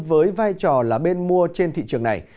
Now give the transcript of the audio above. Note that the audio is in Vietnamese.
với vai trò là bên mua trên thị trường này